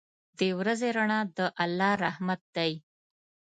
• د ورځې رڼا د الله رحمت دی.